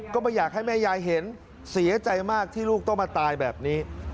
ก็ไม่อยากให้แม่ยายเห็นเสียใจมากที่ลูกต้องมาตายแบบนี้